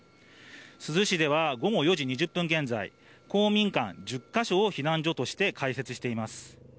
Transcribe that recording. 珠洲市では、午後４時２０分現在、公民館１０か所を避難所として開設しています。